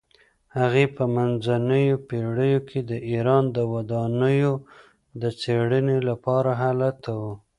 هغې په منځنیو پیړیو کې د ایران د ودانیو د څیړنې لپاره هلته وه.